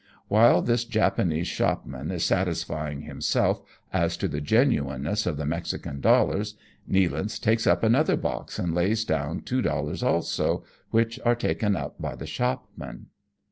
While this Japanese shopman is satisfying himself as to the genuineness of the Mexican dollars, Ifealance takes up another box and lays down two dollars also, which are taken up by the shopman.